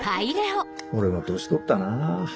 俺も年取ったな。